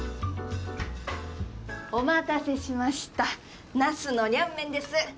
お待たせしましたナスのリャンメンです。